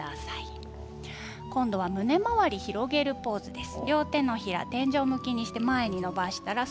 今度は胸周り、広げるポーズです。